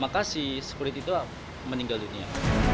maka si spirit itu meninggal dunia